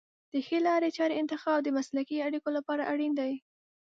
د ښې لارې چارې انتخاب د مسلکي اړیکو لپاره اړین دی.